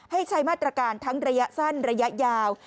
ให้ใช้มาตรการทั้งระยะสั้นระยะยาว